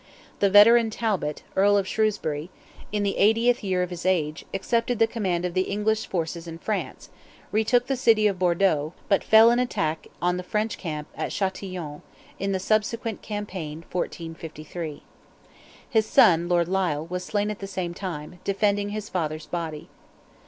The veteran Talbot, Earl of Shrewsbury, in the eightieth year of his age, accepted the command of the English forces in France, retook the city of Bordeaux, but fell in attack on the French camp at Chatillon, in the subsequent campaign—1453. His son, Lord Lisle, was slain at the same time, defending his father's body.